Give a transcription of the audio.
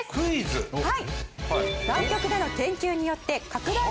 はい。